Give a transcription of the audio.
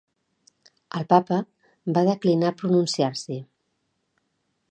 El Papa va declinar pronunciar-s'hi.